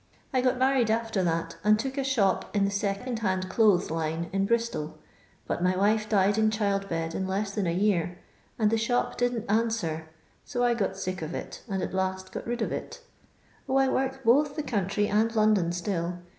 I got married after that, and took a shop in the second hand clothes line in Bristol, but my wife died in child bed in less than a year, and the shop didn't answer ; so I got sick of it, and at last got rid of it 0, I work both the country and London still.